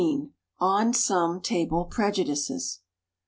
ON SOME TABLE PREJUDICES.